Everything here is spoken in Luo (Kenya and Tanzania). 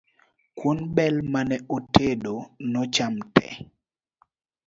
Kuon bel mane otedo nocham tee